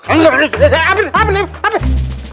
eh eh eh eh apa ini apa ini apa ini